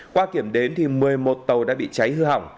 qua kiểm đến thì một mươi một tàu đã bị cháy hư hỏng